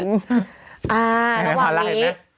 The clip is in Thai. ระหว่างนี้